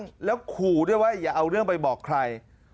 หลายครั้งแล้วขู่ด้วยไว้อย่าเอาเรื่องไปบอกใคร